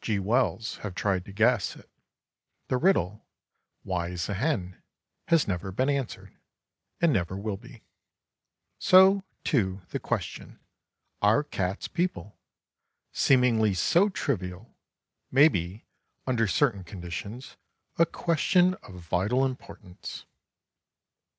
G. Wells have tried to guess it, the riddle "Why is a hen?" has never been answered and never will be. So, too, the question: "Are Cats People?" seemingly so trivial, may be, under certain conditions, a question of vital importance.